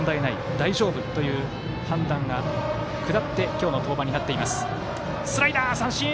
大丈夫という判断が下って今日の登板になっています。